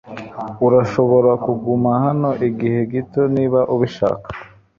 Urashobora kuguma hano igihe gito niba ubishaka